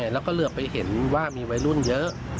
แล้วก็เหลือไปเห็นว่ามีวัยรุ่นเยอะ